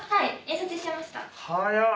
早っ！